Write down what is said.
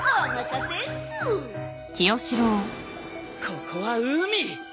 ここは海！